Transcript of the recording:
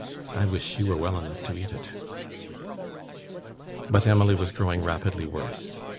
I wish she were well enough to eat it." But Emily was growing rapidly worse.